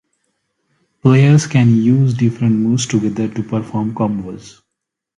Players can use different moves together to perform combos.